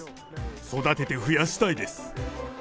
育てて増やしたいです。